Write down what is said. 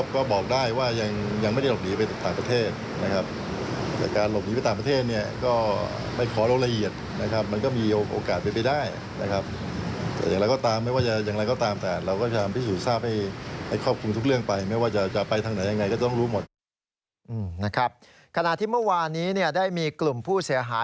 ขณะที่เมื่อวานนี้ได้มีกลุ่มผู้เสียหาย